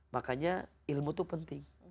makanya ilmu itu penting